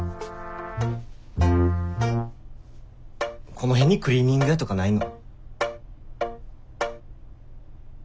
この辺にクリーニング屋とかないの？